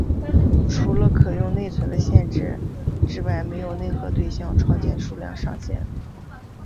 除了可用内存的限制之外没有内核对象创建数量上限。